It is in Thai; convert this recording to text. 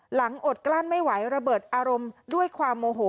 อดกลั้นไม่ไหวระเบิดอารมณ์ด้วยความโมโห